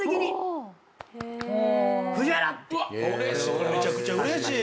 これめちゃくちゃうれしい。